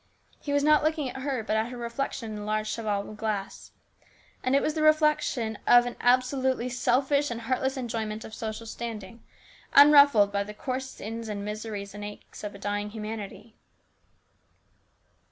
He was not looking at her, but at her reflection in the large cheval glass. And it was the reflection of an absolutely selfish and heartless enjoyment of social standing, unruffled by the coarse sins and miseries and aches of a dying humanity.